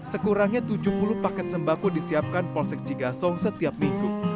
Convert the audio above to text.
sekurangnya tujuh puluh paket sembako disiapkan polsek cigasong setiap minggu